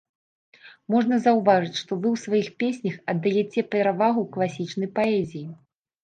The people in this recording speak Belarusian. Можна заўважыць, што вы ў сваіх песнях аддаяце перавагу класічнай паэзіі.